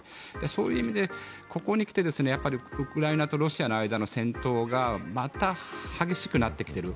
そういう意味でここに来てウクライナとロシアの間の戦闘がまた激しくなってきている。